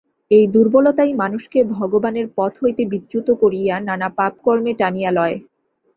এই দুর্বলতাই মানুষকে ভগবানের পথ হইতে বিচ্যুত করিয়া নানা পাপ-কর্মে টানিয়া লয়।